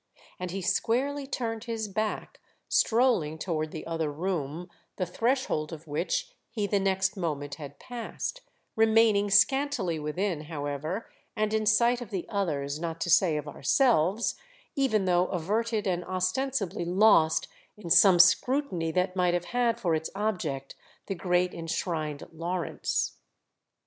And he squarely turned his back, strolling toward the other room, the threshold of which he the next moment had passed, remaining scantily within, however, and in sight of the others, not to say of ourselves; even though averted and ostensibly lost in some scrutiny that might have had for its object the great enshrined Lawrence.